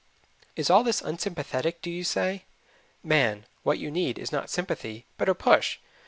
Is all this unsympathetic, do you say? Man, what you need is not sympathy, but a push.